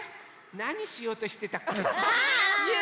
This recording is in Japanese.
なにしようとしてたっけ？